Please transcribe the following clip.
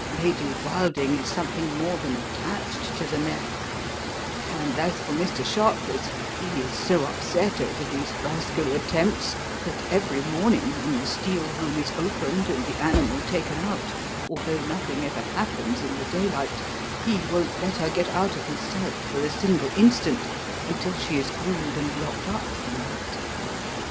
Lady Wilding is something more than attached to the mare; and as for Mr. Sharpless, he is so upset over these rascally attempts that every morning when the steel room is opened and the animal taken out, although nothing ever happens in the daylight, he won't let her get out of his sight for a single instant until she is groomed and locked up for the night.